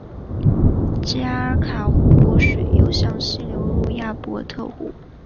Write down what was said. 基阿卡湖水又向西流入亚伯特湖。